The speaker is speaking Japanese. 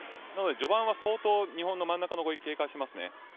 序盤は、相当日本の真ん中の攻撃を警戒していますね。